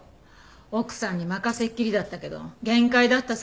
奥さんに任せっきりだったけど限界だったそうよ。